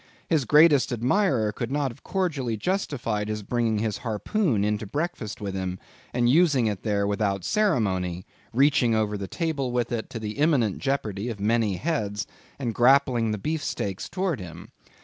His greatest admirer could not have cordially justified his bringing his harpoon into breakfast with him, and using it there without ceremony; reaching over the table with it, to the imminent jeopardy of many heads, and grappling the beefsteaks towards him.